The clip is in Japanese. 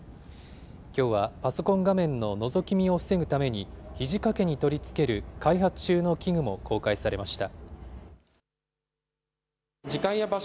きょうはパソコン画面ののぞき見を防ぐために、ひじ掛けに取り付ける開発中の器具も公開されました。